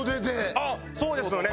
あっそうですよね。